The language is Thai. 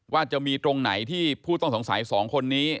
ว่าจะมีตรงไหนที่ผู้ต้องสงสัย๒คนนี้